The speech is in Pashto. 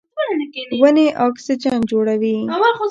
ونې اکسیجن جوړوي.